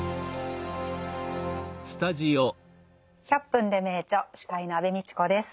「１００分ｄｅ名著」司会の安部みちこです。